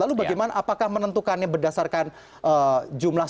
lalu bagaimana apakah menentukannya berdasarkan jumlah